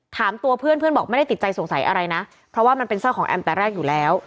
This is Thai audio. ถามตัวเพื่อนเพื่อนบอกไม่ได้ติดใจสงสัยอะไรนะเพราะว่ามันเป็นเสื้อของแอมแต่แรกอยู่แล้ว